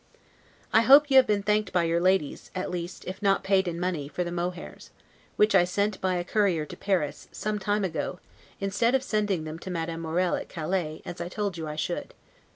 I hope you have been thanked by your ladies, at least, if not paid in money, for the mohairs, which I sent by a courier to Paris, some time ago, instead of sending them to Madame Morel, at Calais, as I told you I should.